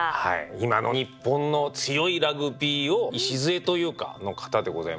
今の日本の強いラグビーを礎というかの方でございます。